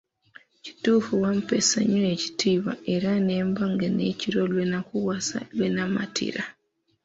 Kituufu wampeesa nnyo ekitiibwa era nemba nga n’ekiro lwe nakuwasa lwe namatira